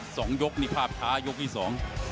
สองยกนี่ภาพช้ายกที่สอง